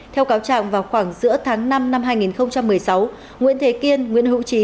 theo cáo trạng vào khoảng giữa tháng năm năm hai nghìn một mươi sáu nguyễn thế kiên nguyễn hữu trí